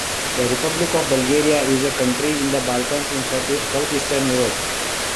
The Republic of Bulgaria is a country in the Balkans in southeastern Europe.